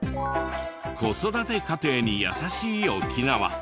子育て家庭に優しい沖縄。